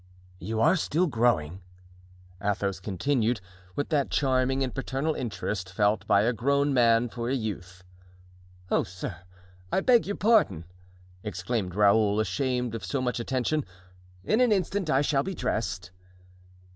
"You are still growing," Athos continued, with that charming and paternal interest felt by a grown man for a youth. "Oh, sir, I beg your pardon!" exclaimed Raoul, ashamed of so much attention; "in an instant I shall be dressed."